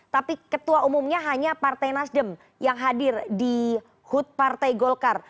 tapi ketua umumnya hanya partai nasdem yang hadir di hut partai golkar